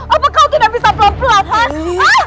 apa kau tidak bisa pelan pelan